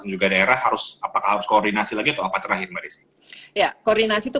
dan juga daerah harus apakah harus koordinasi lagi atau apa terakhir maris ya koordinasi itu